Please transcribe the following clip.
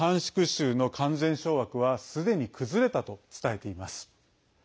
州の完全掌握はすでに崩れたと伝えています。